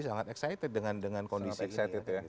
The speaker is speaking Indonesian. sangat excited dengan kondisi ini